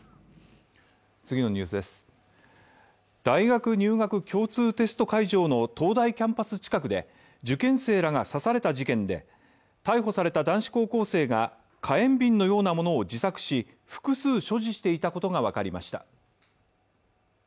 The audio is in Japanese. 大学入学共通テスト会場の東大キャンパス近くで受験生らが刺された事件で、逮捕された男子高校生が火炎瓶のようなものを自作し、複数所持していたことがわかりました。